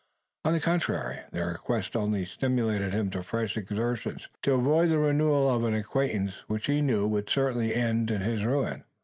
On the contrary, their request only stimulated him to fresh exertions, to avoid the renewal of an acquaintance which he knew would certainly end in his ruin.